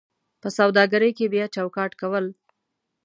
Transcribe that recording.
په سوداګرۍ کې بیا چوکاټ کول: